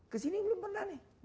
ke sini belum pernah nih